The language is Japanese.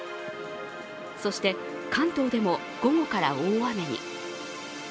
そして関東でも午後から大雨に。